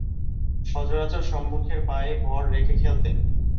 সচরাচর সম্মুখের পায়ে ভর রেখে খেলতেন।